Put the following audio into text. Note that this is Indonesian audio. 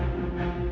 masa yang baik